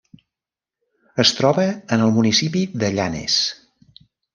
Es troba en el municipi de Llanes.